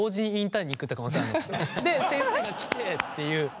で先生が来てっていう。